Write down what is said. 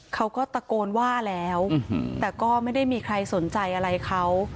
เขาก็ตะโกนว่าแล้วแต่ก็ไม่ได้มีใครสนใจอะไรเขา